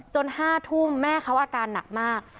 ๕ทุ่มแม่เขาอาการหนักมาก